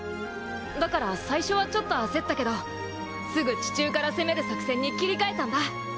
だから最初はちょっと焦ったけどすぐ地中から攻める作戦に切り替えたんだ。